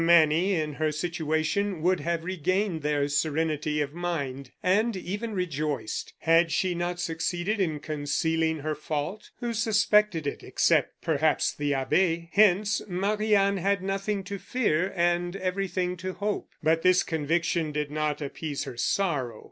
Many, in her situation, would have regained their serenity of mind, and even rejoiced. Had she not succeeded in concealing her fault? Who suspected it, except, perhaps, the abbe. Hence, Marie Anne had nothing to fear, and everything to hope. But this conviction did not appease her sorrow.